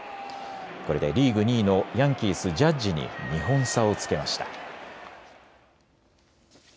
これでリーグ２位のヤンキース、ジャッジに２本差をつけました。